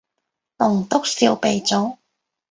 棟篤笑鼻祖